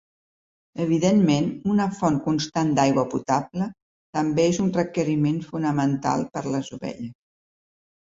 Evidentment, una font constant d'aigua potable també és un requeriment fonamental per les ovelles.